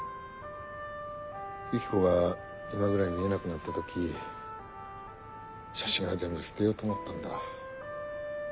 ユキコが今ぐらい見えなくなった時写真は全部捨てようと思ったんだ。